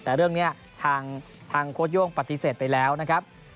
แต่เรื่องนี้ทางโค้ดโย่งปฏิเสธไปแล้วนะครับ